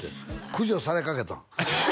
駆除されかけたん？